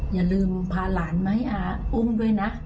อย่าลืมพาหลานมาให้อาอุ้มด้วยนะ